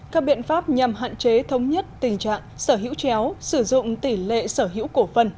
các biện pháp nhằm hạn chế thống nhất tình trạng sở hữu chéo sử dụng tỷ lệ sở hữu cổ phân